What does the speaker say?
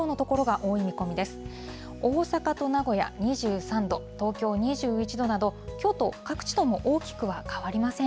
大阪と名古屋２３度、東京２１度など、きょうと各地とも大きくは変わりません。